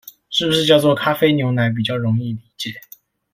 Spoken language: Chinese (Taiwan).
是不是叫做「咖啡牛奶」比較容易理解